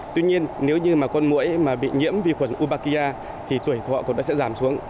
tuy nhiên nếu như con mũi bị nhiễm vi khuẩn wombatia thì tuổi thọ cũng sẽ giảm xuống